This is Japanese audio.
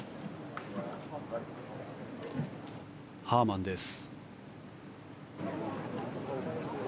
ハーマンです。